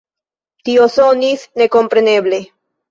Tio sonis ne kompreneble.